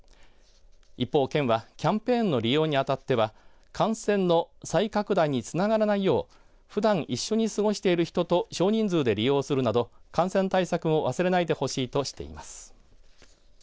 一方、県はキャンペーンの利用にあたっては感染の再拡大につながらないようふだん一緒に過ごしている人と少人数で利用するなど感染対策を忘れないでほしいとしています。